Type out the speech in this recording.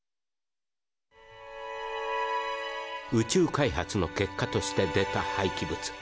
宇宙開発の結果として出たはいき物